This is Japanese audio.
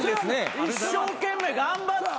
一生懸命頑張って。